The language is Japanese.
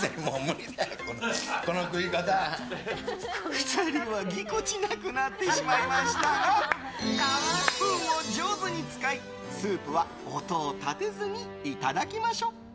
２人はぎこちなくなってしまいましたがスプーンを上手に使いスープは音を立てずにいただきましょう。